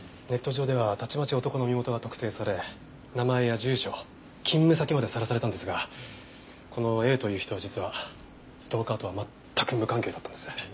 ネット上ではたちまち男の身元が特定され名前や住所勤務先までさらされたんですがこのＡという人は実はストーカーとは全く無関係だったんです。